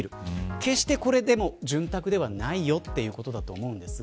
決してこれでも潤沢ではないよということだと思うんですが。